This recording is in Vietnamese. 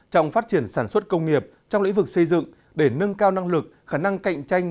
trong phát triển sản xuất công nghiệp trong lĩnh vực xây dựng để nâng cao năng lực khả năng cạnh tranh